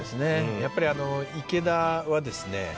やっぱり池田はですね